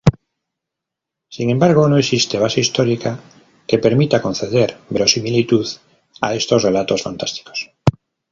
Sin embargo, no existe base histórica que permita conceder verosimilitud a estos relatos fantásticos.